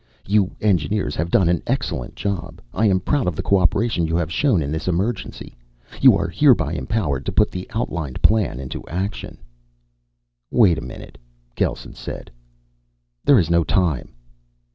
You engineers have done an excellent job. I am proud of the cooperation you have shown in this emergency. You are hereby empowered to put the outlined plan into action." "Wait a minute," Gelsen said. "There is no time."